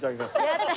やった。